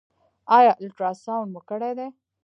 ایا الټراساونډ مو کړی دی؟